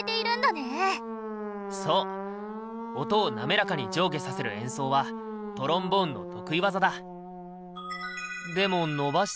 そう音をなめらかに上下させる演奏はトロンボーンの得意技だ。